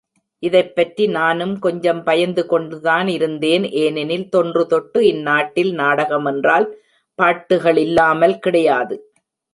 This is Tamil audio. இதைப்பற்றி நானும் கொஞ்சம் பயந்து கொண்டுதானிருந்தேன் ஏனெனில், தொன்றுதொட்டு இந்நாட்டில் நாடகம் என்றால், பாட்டுகளில்லாமல் கிடையாது.